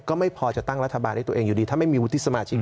ก็ไม่พอจะตั้งรัฐบาลให้ตัวเองอยู่ดีถ้าไม่มีวุฒิสมาชิก